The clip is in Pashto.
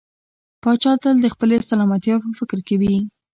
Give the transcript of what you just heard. پاچا تل د خپلې سلامتيا په فکر کې وي .